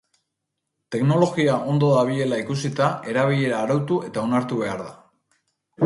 Teknologia ondo dabilela ikusita, erabilera arautu eta onartu behar da.